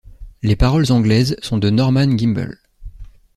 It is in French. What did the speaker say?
Les paroles anglaises sont de Norman Gimbel.